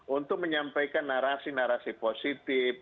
untuk menyampaikan narasi narasi positif